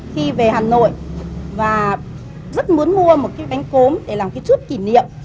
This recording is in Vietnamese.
khi về hà nội và rất muốn mua một cái bánh cốm để làm cái chút kỷ niệm